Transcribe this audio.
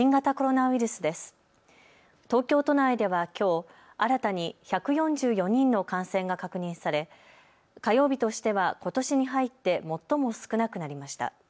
東京都内ではきょう新たに１４４人の感染が確認され火曜日としてはことしに入って最も少なくなりました。